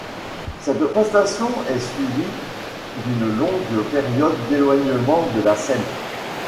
Cette prestation est suivie d'une longue période d'éloignement de la scène.